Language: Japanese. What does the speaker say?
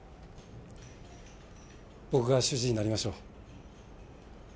僕が主治医になりましょう。